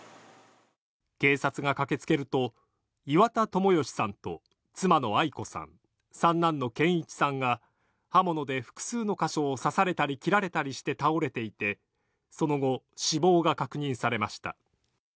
警察が駆けつけると、岩田友義さんと妻のアイ子さん三男の健一さんが刃物で複数の箇所を刺されたり切られたりして倒れていてその後、死亡が確認されました。